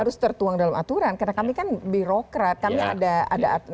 harus tertuang dalam aturan karena kami kan birokrat kami ada